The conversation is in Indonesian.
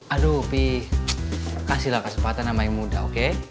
aduh kasihlah kesempatan sama yang muda oke